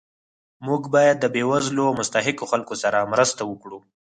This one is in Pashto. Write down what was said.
موږ باید د بې وزلو او مستحقو خلکو سره مرسته وکړو